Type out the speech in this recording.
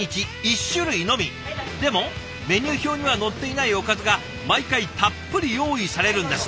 でもメニュー表には載っていないおかずが毎回たっぷり用意されるんです。